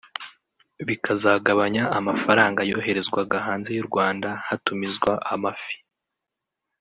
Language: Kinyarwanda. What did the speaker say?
bikazagabanya amafaranga yoherezwaga hanze y’u Rwanda hatumizwa amafi